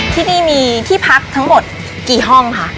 ที่นี่มีที่พักทั้งหมดกี่ห้องค่ะ